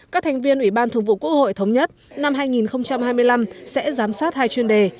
các thành viên ủy ban thường vụ quốc hội thống nhất năm hai nghìn hai mươi năm sẽ giám sát hai chuyên đề